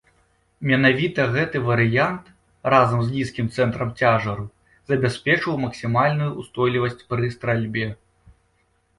Менавіта гэты варыянт, разам з нізкім цэнтрам цяжару забяспечваў максімальную ўстойлівасць пры стральбе.